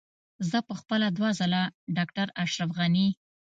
زه په خپله دوه ځله ډاکټر اشرف غني.